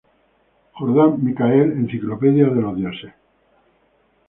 Jordan Michael, Enciclopedia de los dioses.